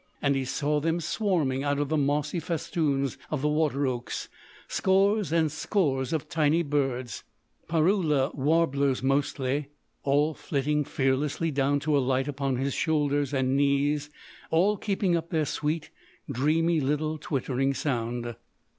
And he saw them swarming out of the mossy festoons of the water oaks—scores and scores of tiny birds—Parula warblers, mostly—all flitting fearlessly down to alight upon his shoulders and knees, all keeping up their sweet, dreamy little twittering sound.